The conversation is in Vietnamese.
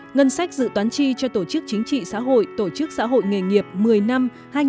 ngân sách dự toán tri cho tổ chức chính trị xã hội tổ chức xã hội nghề nghiệp một mươi năm